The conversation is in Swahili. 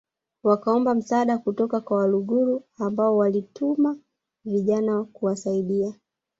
wakaomba msaada kutoka kwa Waluguru ambao walituma vijana kuwasaidia